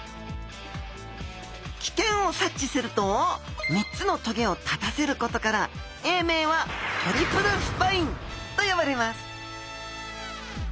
危険を察知すると３つのトゲを立たせることから英名はトリプルスパインと呼ばれます